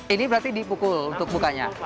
ini berarti dipukul untuk bukanya